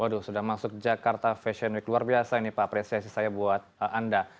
waduh sudah masuk jakarta fashion week luar biasa ini pak apresiasi saya buat anda